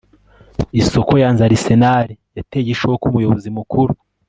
isoko yanze Arsenal yateye ishoka umuyobozi mukuru